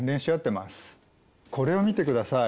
これを見てください。